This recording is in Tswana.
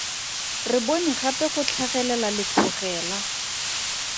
Re bone gape go tlhagelela letlhogela.